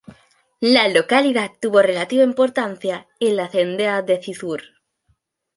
La localidad tuvo relativa importancia en la Cendea de Cizur.